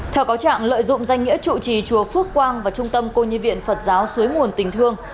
theo cáo trạng lợi dụng danh nghĩa chủ trì chùa phước quang và trung tâm cô nhi viện phật giáo suối nguồn tình thương